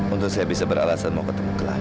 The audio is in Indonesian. untuk saya bisa beralasan mau ketemu ke lain